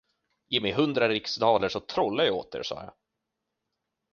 Ge mig hundra riksdaler, så trollar jag åt er, sa jag.